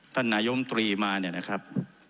นายมตรีมาเนี่ยนะครับ